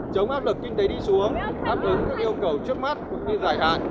chống áp lực kinh tế đi xuống áp ứng các yêu cầu trước mắt cũng như giải hạn